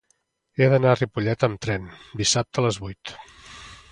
He d'anar a Ripollet amb tren dissabte a les vuit.